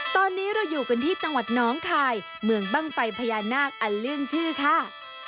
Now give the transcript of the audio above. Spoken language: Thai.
ตอนนี้เราอยู่กันที่จังหวัดน้องคายเมืองบ้างไฟพญานาคอันเลื่อนชื่อค่ะ